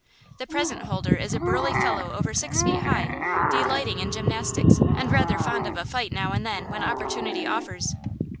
The present holder is a burly fellow over six feet high, delighting in gymnastics, and rather fond of a fight now and then when opportunity offers.